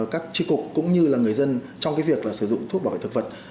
các tri cục cũng như là người dân trong cái việc là sử dụng thuốc bảo vệ thực vật